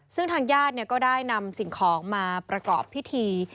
ซึ่งทางญาติก็ได้นำสิ่งของมาประกอบพิธี